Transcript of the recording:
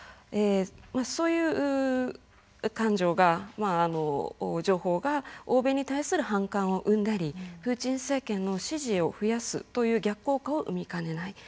まあそういう情報が欧米に対する反感を生んだりプーチン政権の支持を増やすという逆効果を生みかねない。